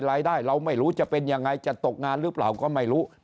เราไม่รู้จะเป็นยังไงจะตกงานหรือเปล่าก็ไม่รู้